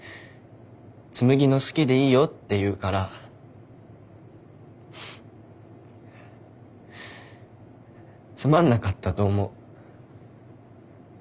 紬の好きでいいよって言うからつまんなかったと思う。